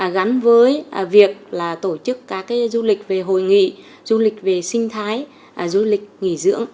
gắn với việc tổ chức các du lịch về hội nghị du lịch về sinh thái du lịch nghỉ dưỡng